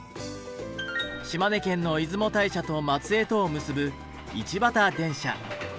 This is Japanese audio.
島根県の出雲大社と松江とを結ぶ